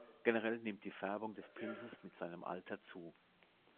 Generell nimmt die Färbung des Pilzes mit seinem Alter zu.